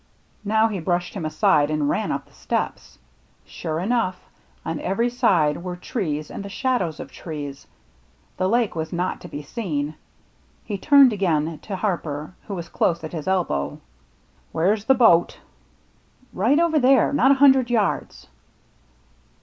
Now he brushed him aside and ran up the steps. Sure enough, on every side were trees and the shadows of trees. The Lake was not to be seen. He turned again to Harper who was close at his elbow. "Where's the boat?" " Right over there — not a hundred yards."